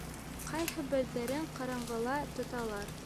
Ҡайһы берҙәрен ҡараңғыла тоталар.